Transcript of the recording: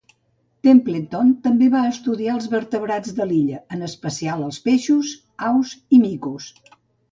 Templeton també va estudiar els vertebrats de l'illa, en especial els peixos, aus i micos.